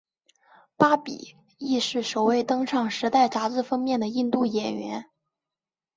巴比亦是首位登上时代杂志封面的印度演员。